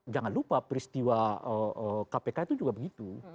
jangan lupa peristiwa kpk itu juga begitu